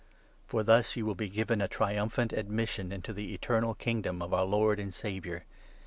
For thus you will be given a triumphant n admission into the eternal Kingdom of our Lord and Saviour, Jesus Christ.